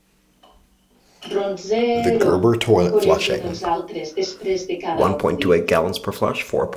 Ronzeeero! —coregen els altres després de cada acudit—